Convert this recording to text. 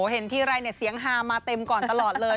เห็นทีไรเสียงฮามาเต็มก่อนตลอดเลย